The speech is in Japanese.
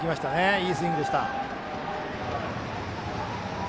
いいスイングでした。